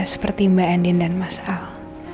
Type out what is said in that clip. seperti mbak andin dan mas al